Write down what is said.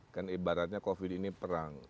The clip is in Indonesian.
kan ibaratnya covid ini perang